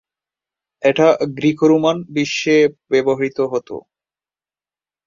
এটা গ্রীকো-রোমান বিশ্বে ব্যবহৃত হতো।